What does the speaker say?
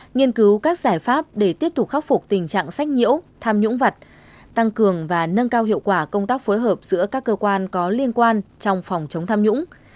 nghiên cứu các giải pháp để tiếp tục khắc phục tình trạng sách nhiễu tham nhũng vật tăng cường và nâng cao hiệu quả công tác phối hợp giữa các cơ quan có liên quan trong phòng chống tham nhũng